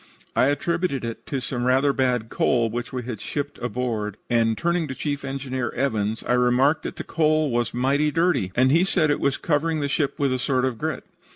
"I attributed it to some rather bad coal which we had shipped aboard, and, turning to Chief Engineer Evans, I remarked that 'that coal was mighty dirty,' and he said that it was covering the ship with a sort of grit.